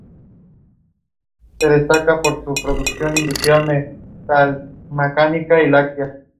Los bordes de las órbitas, o cuencas oculares son elevados.